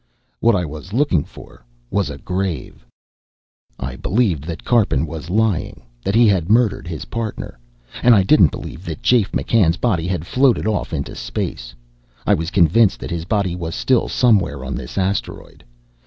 What I was looking for was a grave. I believed that Karpin was lying, that he had murdered his partner. And I didn't believe that Jafe McCann's body had floated off into space. I was convinced that his body was still somewhere on this asteroid.